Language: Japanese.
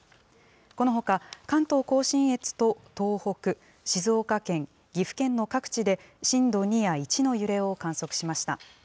このほか、関東甲信越と東北、静岡県、岐阜県の各地で、震度２や１の揺れを観測しました。